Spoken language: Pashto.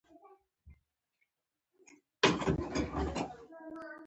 دوه تنه د دريڅې له لارې ننوتل.